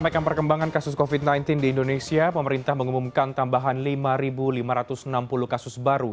pekan perkembangan kasus covid sembilan belas di indonesia pemerintah mengumumkan tambahan lima lima ratus enam puluh kasus baru